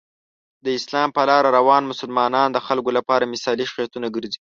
د اسلام په لاره روان مسلمانان د خلکو لپاره مثالي شخصیتونه ګرځي.